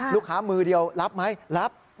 ลูกค้ามือเดียวรับไหมรับ